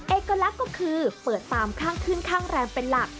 เอกลักษณ์ก็คือเปิดตามข้างขึ้นข้างแรมเป็นหลัก